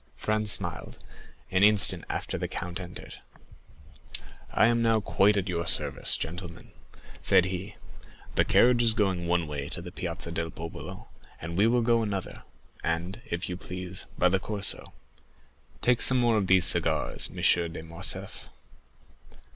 Franz smiled; an instant after the count entered. "I am now quite at your service, gentlemen," said he. "The carriage is going one way to the Piazza del Popolo, and we will go another; and, if you please, by the Corso. Take some more of these cigars, M. de Morcerf."